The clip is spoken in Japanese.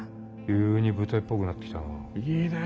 急に舞台っぽくなってきたな。